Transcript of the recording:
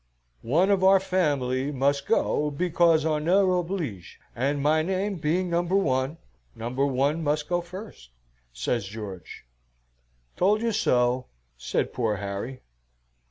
"One of our family must go because honneur oblige, and my name being number one, number one must go first," says George. "Told you so," said poor Harry.